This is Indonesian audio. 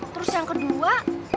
terus yang kedua